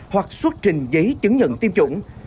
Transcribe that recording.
hoặc xuất trình giấy chứng nhận tiêm chủng